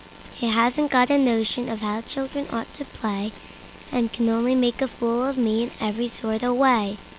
He hasn't got a notion of how children ought to play, And can only make a fool of me in every sort of way.